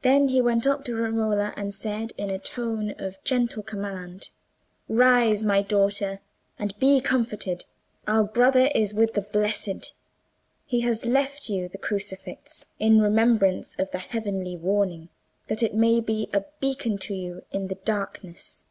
Then he went up to Romola and said in a tone of gentle command, "Rise, my daughter, and be comforted. Our brother is with the blessed. He has left you the crucifix, in remembrance of the heavenly warning—that it may be a beacon to you in the darkness."